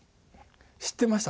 知ってました？